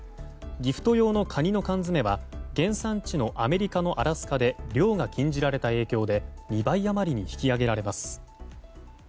ギフト用のカニの缶詰は原産地のアメリカのアラスカで漁が禁じられた影響で２倍余りに引き上げられます。